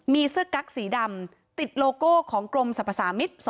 มีเสื้อกั๊กสีดำติดโลโก้ของกรมสรรพสามิตร๒